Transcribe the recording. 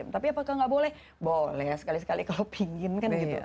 tapi apakah tidak boleh boleh sekali sekali kalau ingin kan